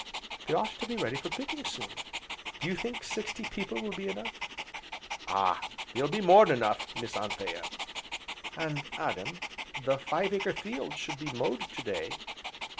"They ought to be ready for picking, soon, do you think sixty people will be enough?" "Ah! they'll be more'n enough, Miss Anthea." "And, Adam the five acre field should be mowed today."